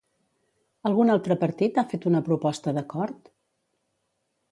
Algun altre partit ha fet una proposta d'acord?